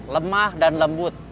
lemah dan lembut